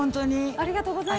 ありがとうございます。